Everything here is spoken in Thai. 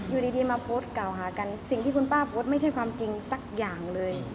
อยู่ดีมาโพสต์กล่าวหากันสิ่งที่คุณป้าโพสต์ไม่ใช่ความจริงสักอย่างเลย